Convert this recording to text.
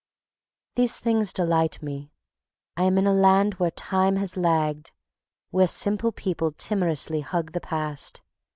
These things delight me. I am in a land where Time has lagged, where simple people timorously hug the Past.